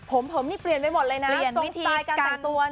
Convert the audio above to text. ผมผมนี่เปลี่ยนไปหมดเลยนะตรงสไตล์การแต่งตัว